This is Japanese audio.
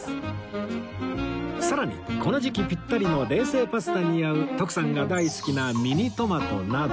さらにこの時期ピッタリの冷製パスタに合う徳さんが大好きなミニトマトなど